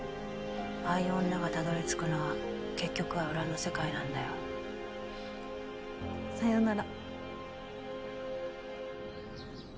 ああいう女がたどりつくのは結局は裏の世界なんだよ。さよなら。